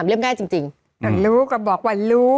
อ่าอ่าอ่า